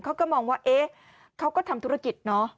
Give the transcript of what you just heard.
เขาก็มองว่าเอ๊ะเขาก็ทำธุรกิจเนอะ